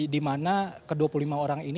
di mana ke dua puluh lima orang ini